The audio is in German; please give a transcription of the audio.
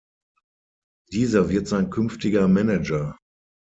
Dieser wird sein künftiger Manager.